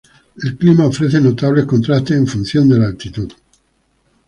El clima ofrece notables contrastes en función de la altitud.